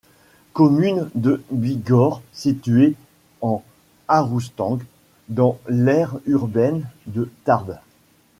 Commune de Bigorre située en Arroustang, dans l'aire urbaine de Tarbes.